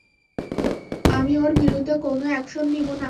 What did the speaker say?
আমি ওর বিরুদ্ধে কোনো একশন নিবো না।